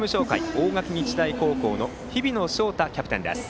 大垣日大高校の日比野翔太キャプテンです。